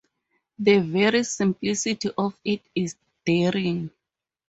The very simplicity of it is daring.